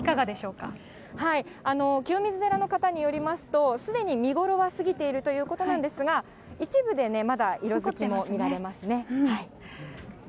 清水寺の方によりますと、すでに見頃は過ぎているということなんですが、一部でまだ色づきも見られますね。